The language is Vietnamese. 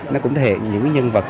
nó cũng thể hiện những nhân vật